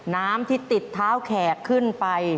น้ำที่ติดเท้าแขกขึ้นไป